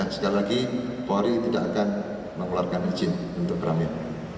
sekali lagi polri tidak akan mengeluarkan izin keramian